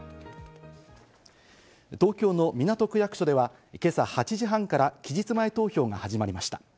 東京の港区役所では今朝８時半から期日前投票が始まりました。